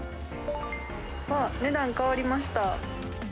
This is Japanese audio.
あっ、値段変わりました。